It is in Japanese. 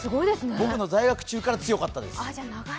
僕の在学中から強かったです。